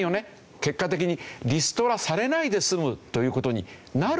結果的にリストラされないで済むという事になるかもしれない。